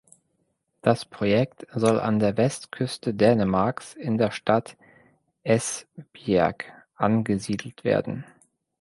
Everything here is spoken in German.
Das Projekt soll an der Westküste Dänemarks in der Stadt Esbjerg angesiedelt werden.